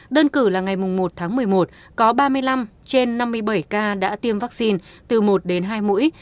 đơn cử là ngày một tháng một mươi một có ba mươi năm trên năm mươi bảy ca đã tiêm vaccine từ một đến hai mũi